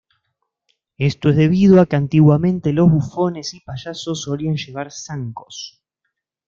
Esto es debido a que antiguamente los bufones y payasos solían llevar zancos.